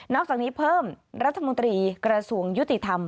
อกจากนี้เพิ่มรัฐมนตรีกระทรวงยุติธรรม